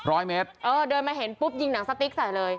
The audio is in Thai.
ร้อยเมตรเออเดินมาเห็นปุ๊บยิงหนังสติ๊กใส่เลย